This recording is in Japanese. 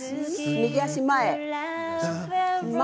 右足、前。